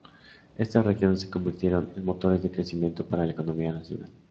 Estas regiones se convirtieron en motores de crecimiento para la economía nacional.